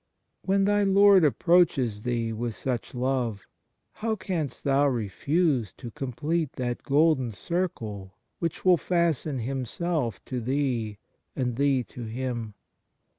When thy Lord approaches thee with such love, how canst thou refuse to complete that golden circle which will fasten Himself to thee and thee to Him